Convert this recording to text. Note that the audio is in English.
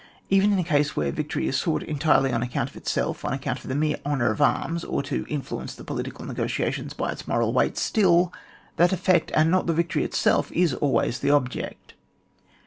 Even in a case where victory is sought entirely on account of itself, on account of the mere honour of arms, or to influence political negotia tions by its moral weight, still, that efiPect, and not the victory itself, is always the object.